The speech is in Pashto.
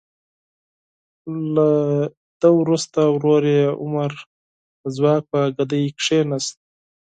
له ده وروسته ورور یې عمر د ځواک په ګدۍ کیناست.